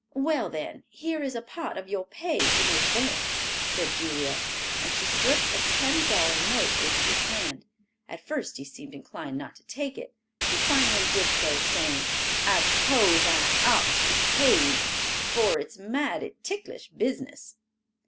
"Well, then, here is a part of your pay in advance," said Julia, as she slipped a ten dollar note into his hand. At first he seemed inclined not to take it but finally did so, saying, "I suppose I ought to be paid, for it's mighty ticklish business."